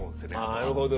あなるほど。